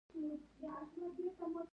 هغه د جرم پر وړاندې زغم پیدا کوي